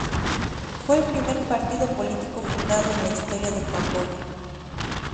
Fue el primer partido político fundado en la historia de Camboya.